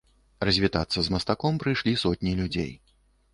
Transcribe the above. Развітацца з мастаком прыйшлі сотні людзей.